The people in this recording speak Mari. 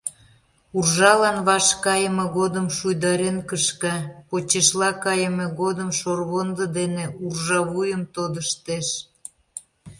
Уржалан ваш кайыме годым шуйдарен кышка, почешла кайыме годым шорвондо дене уржавуйым тодыштеш.